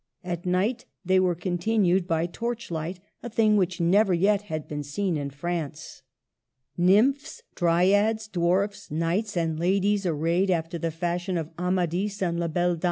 At night they were continued by torchlight, — a thing which never yet had been seen in France. Nymphs, dryads, dwarfs, knights, and ladies ar rayed after the fashion of Amadis and La Belle Dam.